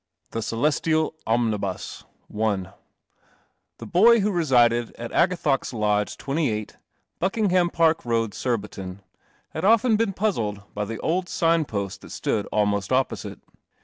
S3 THE CELESTIAL OMNIBUS THE boy who resided at Agathox Lodge, 28, Buckingham Park Road, Surbiton, had often been puzzled by the old sign post that stood almost opposite.